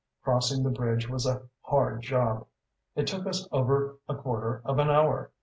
Crossing the bridge was a hard job; it took us over a quarter of an hour.